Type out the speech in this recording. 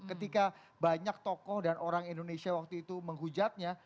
ketika banyak tokoh dan orang indonesia waktu itu menghujatnya